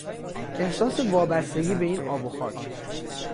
احساس وابستگی به این آب و خاک